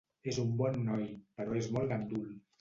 És un bon noi, però és molt gandul.